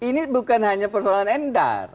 ini bukan hanya persoalan endar